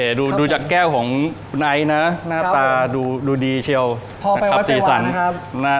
โอเคดูดูจากแก้วของคุณไอด์นะหน้าตาดูดูดีเชียวพอไปว่าจะเป็นหวานนะครับ